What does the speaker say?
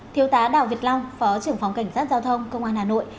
thiếu tá đào việt long phó trưởng phòng cảnh sát giao thông công an hà nội